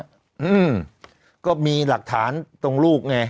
อืมก็มีหลักฐานตรงลูกไง